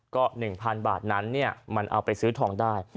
ก็๑๐๐๐บาทนั้นมันเอาไปซื้อทองได้